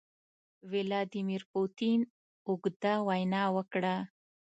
ولادیمیر پوتین اوږده وینا وکړه.